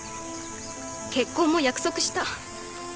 結婚も約束した。